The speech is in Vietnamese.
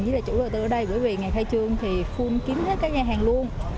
mình chỉ là chủ đầu tư ở đây bởi vì ngày khai trương thì full kiếm hết các nhà hàng luôn